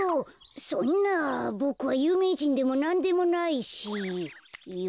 そんなボクはゆうめいじんでもなんでもないしよっと。